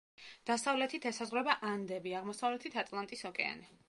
დასავლეთით ესაზღვრება ანდები, აღმოსავლეთით ატლანტის ოკეანე.